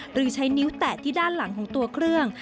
หรือใช้นิ้วแตะที่ด้านหลังของตัวเครื่อง